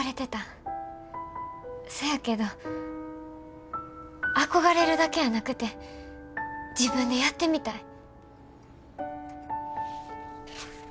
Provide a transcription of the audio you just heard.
そやけど憧れるだけやなくて自分でやってみたい。